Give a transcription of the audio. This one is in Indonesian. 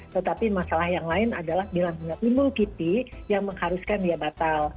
tetapi masalah yang lain adalah bila tidak dimul kipik yang mengharuskan dia batal